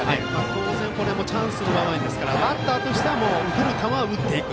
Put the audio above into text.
当然、これもチャンスの場面ですからバッターとしては打てる球は打っていく。